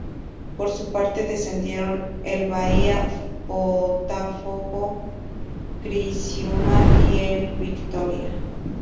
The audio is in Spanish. Por su parte descendieron el Bahía, Botafogo, Criciúma y el Vitória.